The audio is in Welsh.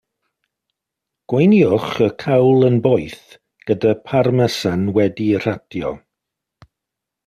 Gweinwch y cawl yn boeth, gyda Parmesan wedi'i ratio.